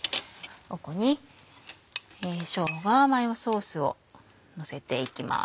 ここにしょうがマヨソースをのせていきます。